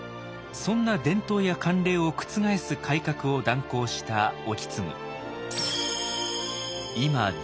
そんな伝統や慣例を覆す改革を断行した意次。